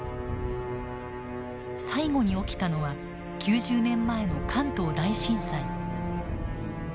最後に起きたのは９０年前の関東大震災。